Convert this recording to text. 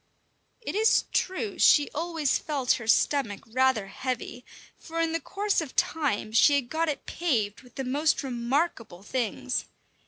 It is true she always felt her stomach rather heavy, for in the course of time she had got it paved with the most remarkable things.